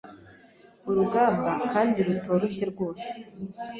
urugamba kandi rutoroshye rwose